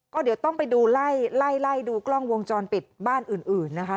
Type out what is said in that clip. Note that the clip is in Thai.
ก็เดี๋ยวต้องไปดูไล่ไล่ดูกล้องวงจรปิดบ้านอื่นนะคะ